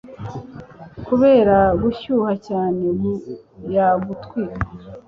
kubera gushyuha cyane yagutwika